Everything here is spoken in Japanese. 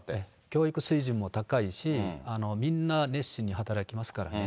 教育水準も高いし、みんな熱心に働きますからね。